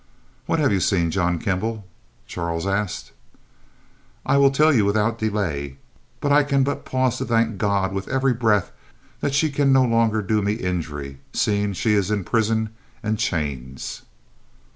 "What have you seen, John Kembal?" Charles asked. "I will tell you without delay; but I can but pause to thank God with every breath that she can no longer do me injury, seeing she is in prison and chains."